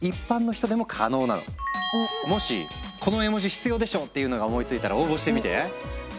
もしこの絵文字必要でしょっていうのが思いついたら応募してみて。